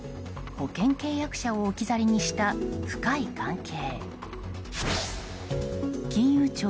保険契約者を置き去りにした深い関係。